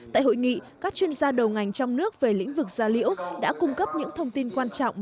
tại hội nghị các chuyên gia đầu ngành trong nước về lĩnh vực da liễu đã cung cấp những thông tin quan trọng